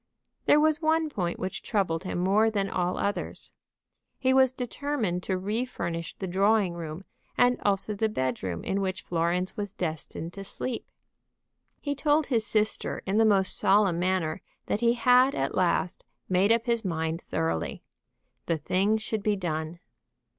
There was one point which troubled him more than all others. He was determined to refurnish the drawing room and also the bedroom in which Florence was destined to sleep. He told his sister in the most solemn manner that he had at last made up his mind thoroughly. The thing should be done.